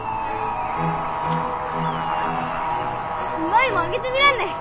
舞もあげてみらんね。